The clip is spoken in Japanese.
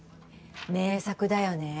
名作だよね。